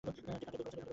ডেকার্টের বই পড়ছেন।